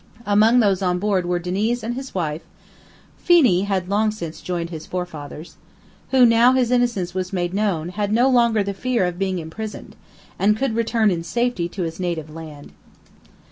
Amongst those on board were Diniz and his wife (Phenee had long since joined his forefathers), who, now his innocence was made known, had no longer the fear of being imprisoned, and could return in safety to his native land.